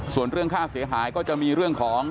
ส่วนเรื่องค่าเสียหายก็จะมีเรื่องของ